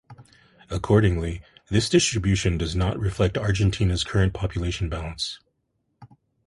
Accordingly, this distribution does not reflect Argentina's current population balance.